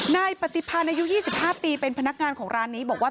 นายปฏิพันธ์อายุ๒๕ปีเป็นพนักงานของร้านนี้บอกว่า